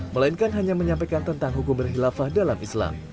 melainkan hanya menyampaikan tentang hukum berhilafah dalam islam